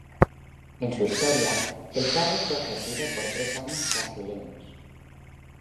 En su historia, el cargo fue ejercido por tres brasileños.